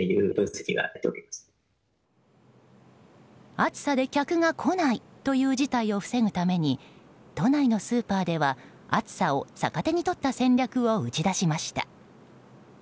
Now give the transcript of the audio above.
暑さで客が来ない！という事態を防ぐために都内のスーパーでは暑さを逆手にとった戦略を打ち出しました。